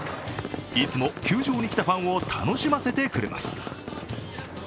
いつも球場に来たファンを楽しませてくれます。